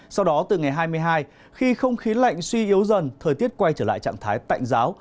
sau đó từ ngày hai mươi hai khi không khí lạnh suy yếu dần thời tiết quay trở lại trạng thái tạnh giáo